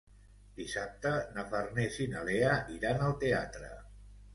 Dissabte na Farners i na Lea iran al teatre.